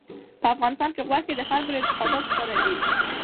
په افغانستان کې غوښې د خلکو له اعتقاداتو سره دي.